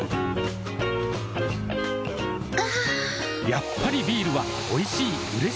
やっぱりビールはおいしい、うれしい。